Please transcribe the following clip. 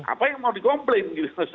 apa yang mau di komplain